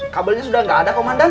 kabelnya sudah tidak ada komandan